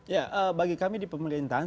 ya bagi kami di pemerintahan